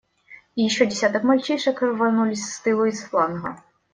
И еще десяток мальчишек рванулись с тылу и с фланга.